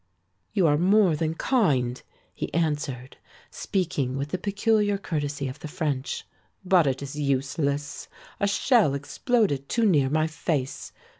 "You are more than kind," he answered, speaking with the peculiar courtesy of the French, "but it is useless! A shell exploded too near my face.